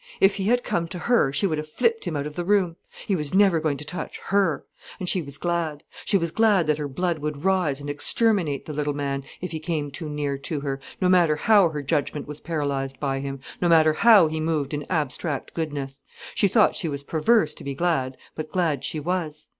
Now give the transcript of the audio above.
If he had come to her she would have flipped him out of the room. He was never going to touch her. And she was glad. She was glad that her blood would rise and exterminate the little man, if he came too near to her, no matter how her judgment was paralysed by him, no matter how he moved in abstract goodness. She thought she was perverse to be glad, but glad she was.